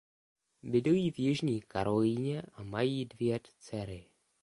Bydlí v Jižní Karolíně a mají dvě dcery.